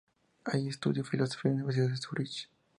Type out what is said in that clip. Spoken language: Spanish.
Allí estudió filosofía en la Universidad de Zúrich.